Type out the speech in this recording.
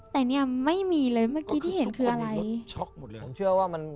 แต่เนี้ยไม่มีเลยเมื่อกี้ที่เห็นคืออะไรช็อกหมดเลยผมเชื่อว่ามัน